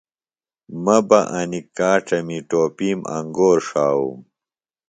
مہ بہ انیۡ کاڇمی ٹوپیم انگور ݜاووم